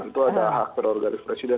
oke lah itu ada hak terorganis presiden